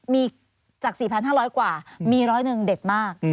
มีจาก๔๕๐๐กว่ามีร้อยหนึ่งเด็ดมาก